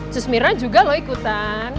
cus mira juga lo ikutan